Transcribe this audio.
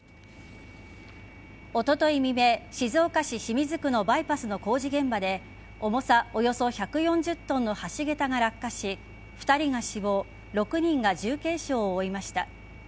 おととい未明、静岡市清水区のバイパスの工事現場で重さおよそ１４０ｔの橋げたが落下し２人が死亡６人が重軽傷を負いました。